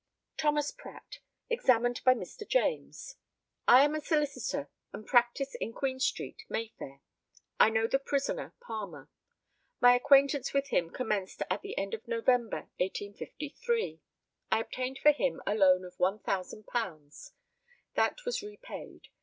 THOMAS PRATT, examined by Mr. JAMES: I am a solicitor, and practise in Queen street, Mayfair. I know the prisoner Palmer. My acquaintance with him commenced at the end of November, 1853. I obtained for him a loan of £1,000. That was repaid.